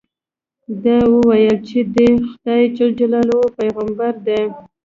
ده وویل چې دې د خدای جل جلاله پیغمبر دی.